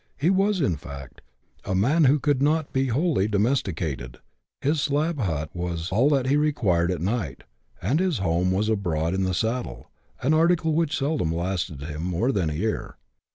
He was, in fact, a man who could not be wholly domesticated ; his slab hut was all that he required at night, and his home was abroad in the saddle, an article which seldom lasted him more than a year.